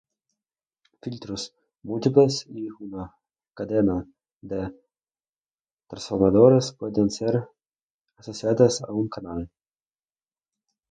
Filtros múltiples y una cadena de transformadores pueden ser asociadas a un canal.